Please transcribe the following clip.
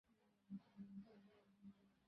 মহিষী কহিলেন, আমিও তাহাই মনে করিয়াছি।